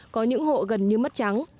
có những hộ gần như mất trắng